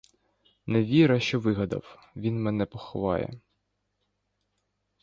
Невіра, що вигадав: він мене поховає!